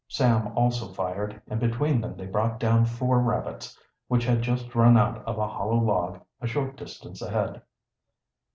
Sam also fired, and between them they brought down four rabbits, which had just run out of a hollow log a short distance ahead.